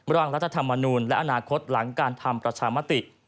ร่างรัฐธรรมนูลและอนาคตหลังการทำประชามติ